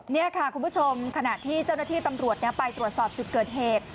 นี่ค่ะคุณผู้ชมขณะที่เจ้าหน้าที่ตำรวจไปตรวจสอบจุดเกิดเหตุ